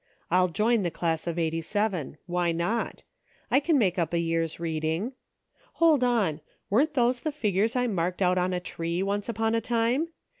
I'll join the class of '87 ; why not .' I can make up a year's reading. Hold on ! Weren't those the figures I marked out on a tree, once upon a time